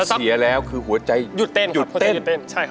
เสียแล้วคือหัวใจหยุดเต้น